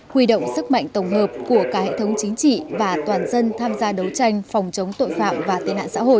huy động sức mạnh tổng hợp của cả hệ thống chính trị và toàn dân tham gia đấu tranh phòng chống tội phạm và tên nạn xã hội